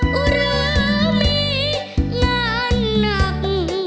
หรือมีงานหนัก